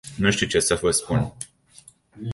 Nu știu ce să vă spun.